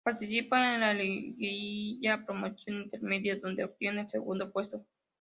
Participa en la liguilla promoción intermedia, donde obtiene el segundo puesto.